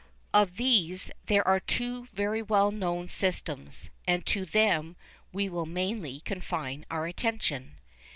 Of these there are two very well known systems, and to them we will mainly confine our attention.